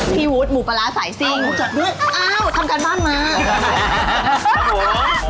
พี่วุฒิหมูปลาร้าใส่ซิ่งอ้าวทำการบ้านมา